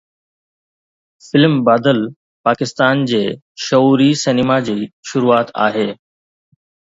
film Badal Pakistan جي شعوري cinema جي شروعات آهي